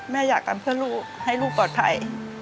แม่อยากทำเพื่อลูกให้ลูกปลอดภัย